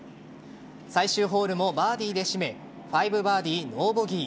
最終ホールもバーディーで締め５バーディーノーボギー。